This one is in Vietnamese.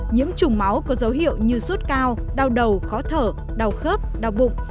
nhiễm trùng máu có dấu hiệu như sốt cao đau đầu khó thở đau khớp đau bụng